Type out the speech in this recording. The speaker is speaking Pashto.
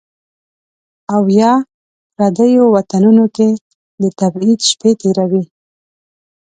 او یا، پردیو وطنونو کې د تبعید شپې تیروي